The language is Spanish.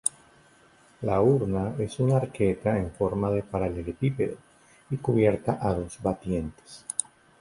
La urna es una arqueta en forma de paralelepípedo y cubierta a dos batientes.